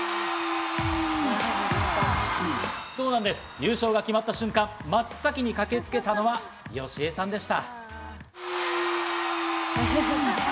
優勝が決まった瞬間、真っ先に駆けつけたのはＹＯＳＨＩＥさんでした。